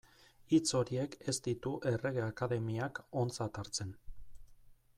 Hitz horiek ez ditu Errege Akademiak ontzat hartzen.